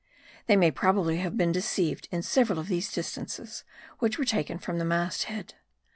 They may probably have been deceived in several of these distances, which were taken from the mast head.